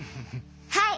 はい。